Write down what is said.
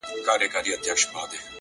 شېرينې څه وکړمه زړه چي په زړه بد لگيږي’